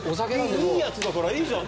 いいやつだからいいじゃんね。